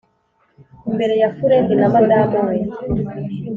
imbere ya furedi na madame we."